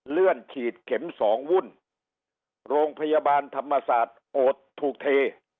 ฉีดเข็มสองวุ่นโรงพยาบาลธรรมศาสตร์โอดถูกเท